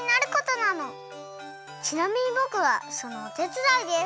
ちなみにぼくはそのおてつだいです。